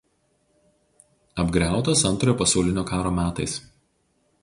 Apgriautas Antrojo pasaulinio karo metais.